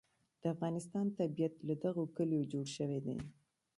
د افغانستان طبیعت له دغو کلیو جوړ شوی دی.